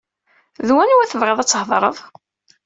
D wanwa tebɣiḍ ad thdreḍ?